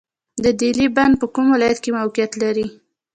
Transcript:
د دهلې بند په کوم ولایت کې موقعیت لري؟